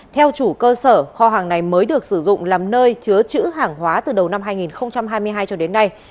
theo chủ cơ sở kho hàng này mới được sử dụng làm nơi chứa chữ hàng hóa từ đầu năm hai nghìn hai mươi hai cho đến nay